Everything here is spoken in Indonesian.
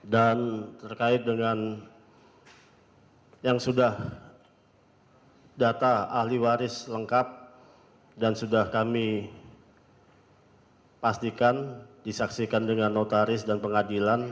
dan terkait dengan yang sudah data ahli waris lengkap dan sudah kami pastikan disaksikan dengan notaris dan pengadilan